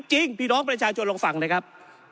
จริงพี่น้องประชาชนลองฟังเลยครับ